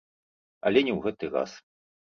Але не ў гэты раз.